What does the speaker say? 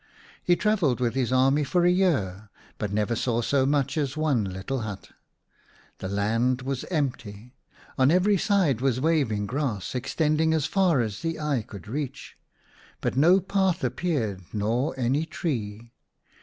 He travelled with his army for a year, but never saw so much as one little hut. The land was empty ; on every side was waving grass extend ing as far as eye could reach, but no path appeared nor any tree.